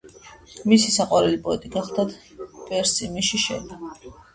მისი საყვარელი პოეტი გახლდათ პერსი ბიში შელი.